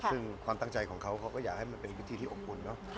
ซึ่งความตั้งใจของเขาเขาก็อยากให้มันเป็นวิธีที่อบอุ่นเนอะ